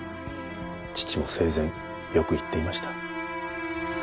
父も生前よく言っていました。